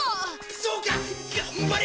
そうか頑張れ。